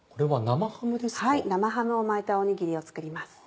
生ハムを巻いたおにぎりを作ります。